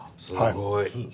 すごい。